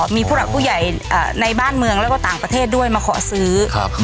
มีผู้หลักผู้ใหญ่ในบ้านเมืองแล้วก็ต่างประเทศด้วยมาขอซื้อ